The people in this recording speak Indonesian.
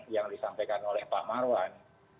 yang disampaikan oleh pak marwan